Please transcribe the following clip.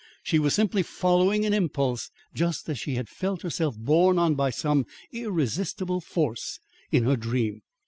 She was simply following an impulse, just as she had felt herself borne on by some irresistible force in her dream.